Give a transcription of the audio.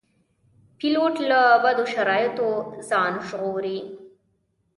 پیلوټ له بدو شرایطو ځان ژغوري.